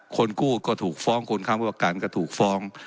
คนกู้ก็ถูกฟ้องคนค้ำประกันก็ถูกฟ้อง